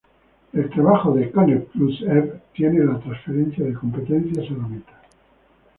El trabajo de 'Connect Plus eV' tiene la transferencia de competencias a la meta.